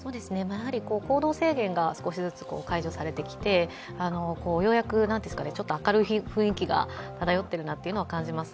行動制限が少しずつ解除されてきてようやくちょっと明るい雰囲気が漂っているなとは感じます。